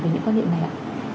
với những quan niệm này ạ